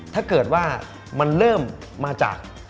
ถ้าเกิดว่ามันเริ่มมาจาก